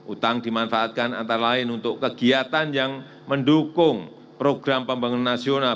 utang dimanfaatkan antara lain untuk kegiatan yang mendukung program pembangunan nasional